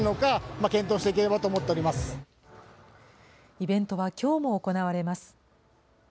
イベントはきょうも行われます。